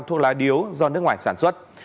thuốc lái điếu do nước ngoài sản xuất